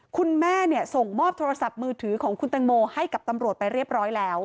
คุณแม่ส่งมอบโทรศัพท์มือถือของคุณตังโมให้กับตำรวจไปเรียบร้อยแล้ว